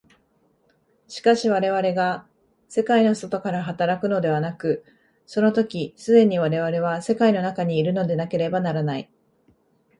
しかし我々が世界の外から働くのではなく、その時既に我々は世界の中にいるのでなければならない。